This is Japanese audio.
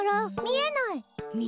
みえない？